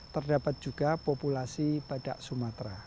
terdapat juga populasi badak sumatera